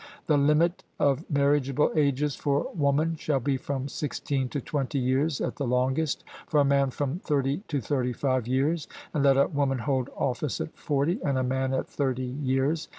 The limit of marriageable ages for a woman shall be from sixteen to twenty years at the longest, for a man, from thirty to thirty five years; and let a woman hold office at forty, and a man at thirty years.